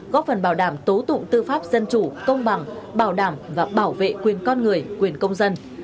góp phần bảo đảm tố tụng tư pháp dân chủ công bằng bảo đảm và bảo vệ quyền con người quyền công dân